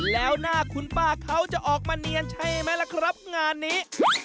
แล้วหน้าคุณป้าเขาจะออกมาเนียนใช่ไหมล่ะครับงานนี้